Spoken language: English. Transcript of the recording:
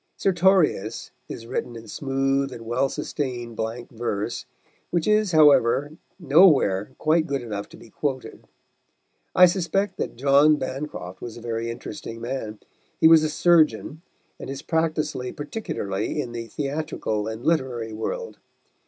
Sertorius is written in smooth and well sustained blank verse, which is, however, nowhere quite good enough to be quoted. I suspect that John Bancroft was a very interesting man. He was a surgeon, and his practice lay particularly In the theatrical and literary world.